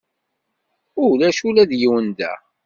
Ulac ula d yiwen da.